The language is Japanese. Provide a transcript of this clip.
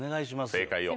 正解を。